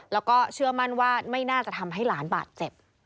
แล้วก็เชื่อมั่นว่าไม่น่าจะทำให้หลานบาดเจ็บ